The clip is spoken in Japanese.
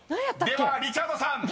［ではリチャードさん］